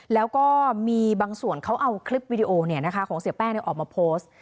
แล้วก็มีบางส่วนเขาเอาคลิปวิดีโอของเสียแป้งออกมาโพสต์